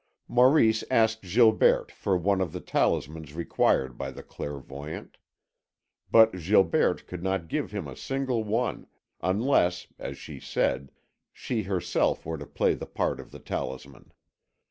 Maurice asked Gilberte for one of the talismans required by the clairvoyante. But Gilberte could not give him a single one, unless, as she said, she herself were to play the part of the talisman.